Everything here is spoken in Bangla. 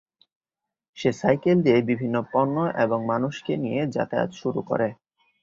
সে সাইকেল দিয়ে বিভিন্ন পণ্য এবং মানুষকে নিয়ে যাতায়াত শুরু করে।